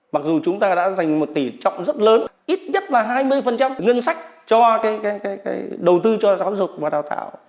mặc dù chúng ta đã dành một tỷ trọng rất lớn ít nhất là hai mươi ngân sách cho cái đầu tư cho giáo dục và đào tạo